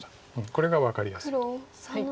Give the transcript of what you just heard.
これが分かりやすい。